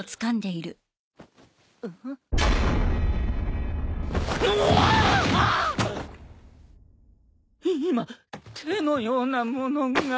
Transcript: い今手のようなものが。